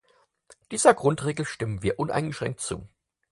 Dieser Grundregel stimmen wir uneingeschränkt zu.